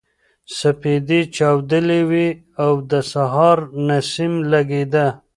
سپېدې چاودلې وې او د سهار نسیم لګېده.